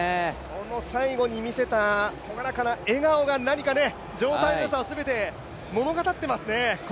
この最後に見せた朗らかな笑顔が何か状態の良さを物語っていますね。